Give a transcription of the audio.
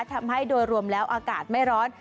ทำให้โดยรวมแล้วอากาศไม่ร้อน